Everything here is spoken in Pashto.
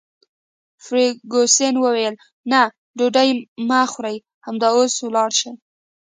فرګوسن وویل: نه، ډوډۍ مه خورئ، همدا اوس ولاړ شئ.